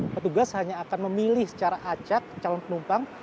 petugas hanya akan memilih secara acak calon penumpang